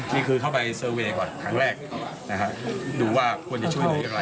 นี่คือเข้าไปก่อนทางแรกนะฮะดูว่าควรจะช่วยในจริงอะไร